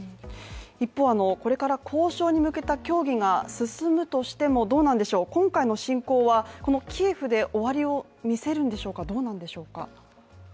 一方、これから交渉に向けた協議が進むとしても今回の侵攻はキエフで終わりを見せるんでしょうか、どうなんでしょうか。